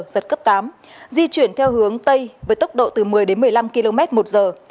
giật cấp tám di chuyển theo hướng tây với tốc độ từ một mươi đến một mươi năm km một giờ